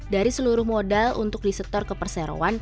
dari seluruh modal untuk disetor ke perseroan